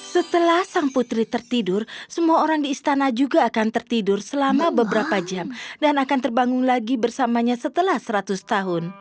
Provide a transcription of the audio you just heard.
setelah sang putri tertidur semua orang di istana juga akan tertidur selama beberapa jam dan akan terbangun lagi bersamanya setelah seratus tahun